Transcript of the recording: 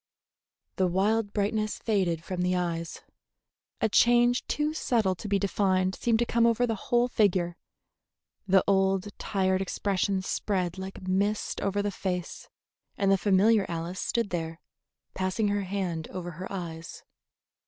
The wild brightness faded from the eyes, a change too subtle to be defined seemed to come over the whole figure, the old tired expression spread like mist over the face, and the familiar Alice stood there, passing her hand over her eyes.